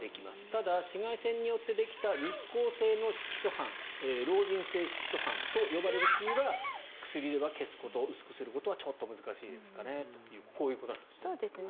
ただ、紫外線によってできた日光性の色素斑老人性色素斑と呼ばれるシミは薬では消すこと、薄くすることはちょっと難しいですねというこういうことなんですね。